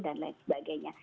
dan lain sebagainya